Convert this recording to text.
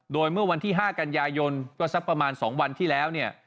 โดยเมื่อวันที่๕กันยายนก็สักประมาณ๒วันที่แล้วเนี่ย